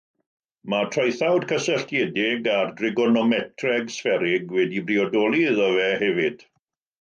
Mae traethawd cysylltiedig ar drigonometreg sfferig wedi'i briodoli iddo fe hefyd.